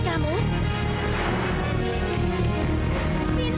kalau punya carial ini